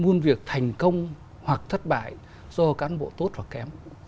muôn việc thành công hoặc thất bại do cán bộ tốt hoặc kém